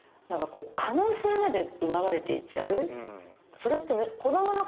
それって。